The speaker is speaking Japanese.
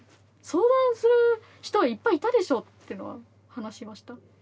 「相談する人はいっぱいいたでしょ？」っていうのは話しました。